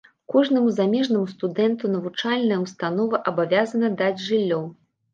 Кожнаму замежнаму студэнту навучальная ўстанова абавязана даць жыллё.